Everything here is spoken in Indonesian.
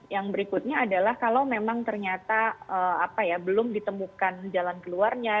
yang berikutnya adalah kalau memang ternyata belum ditemukan jalan keluarnya